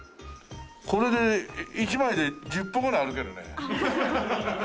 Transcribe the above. これで１枚で１０歩ぐらい歩けるね。